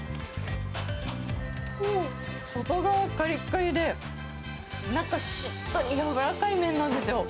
外側はかりっかりで、中しっとり軟らかい麺なんですよ。